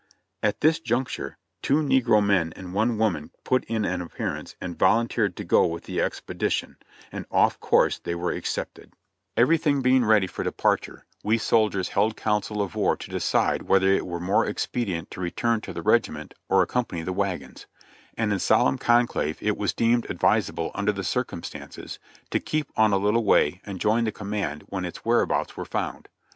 At this juncture two negro men and one woman put in an appearance and volunteered to go with the expedition : and of course they were accepted. I20 JOHNNY REB AND BILLY YANK Everything being ready for departure, we soldiers held council of war to decide whether it were more expedient to return to the regiment or accompany the wagons; and in solemn conclave it was deemed advisable under the circumstances to keep on a little way and join the command when its whereabouts were found.